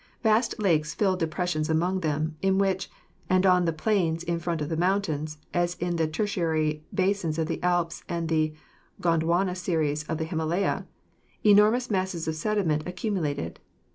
Vast lakes filled dapressions among them, in which, and on the plains in front of the mountains, as in the Tertiary basins of the Alps and the Gondwana series of the Himalaya, enormous masses of sediment accumu lated.